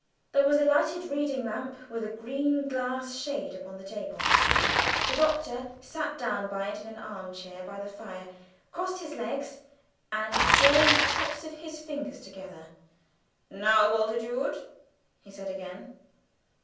There was a lighted reading lamp with a green glass shade upon the table. The Doctor sat down by it in an armchair by the fire, crossed his legs, and joined the tops of his fingers together. "Now, Bultitude," he said again.